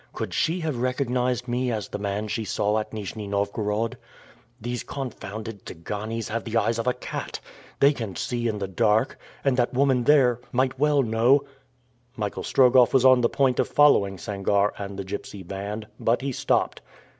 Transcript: "Could she have recognized me as the man whom she saw at Nijni Novgorod? These confounded Tsiganes have the eyes of a cat! They can see in the dark; and that woman there might well know " Michael Strogoff was on the point of following Sangarre and the gypsy band, but he stopped.